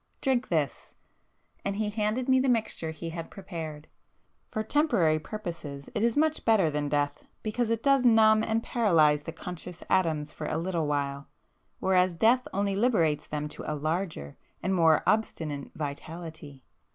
Drink this,"—and he handed me the mixture he had prepared—"For temporary purposes it is much better than death—because it does numb and paralyse the conscious atoms for a little while, whereas death only liberates them to a larger and more obstinate vitality."